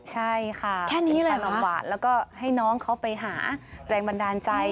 ใช่ค่ะเป็นขนมหวานแล้วก็ให้น้องเขาไปหาแรงบันดาลใจ